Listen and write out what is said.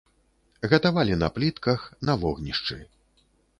Гатавалі на плітках, на вогнішчы.